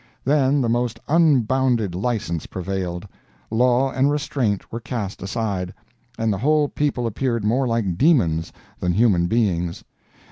Then the most unbounded license prevailed; law and restraint were cast aside, and the whole people appeared more like demons than human beings.